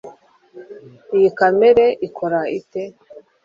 Iyi kamera ikora ite